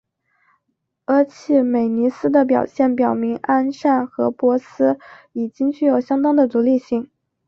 阿契美尼斯的表现表明安善和波斯已经具有相当的独立性。